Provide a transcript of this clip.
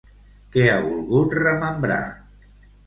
Què ha volgut remembrar?